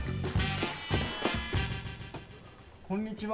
こんにちは。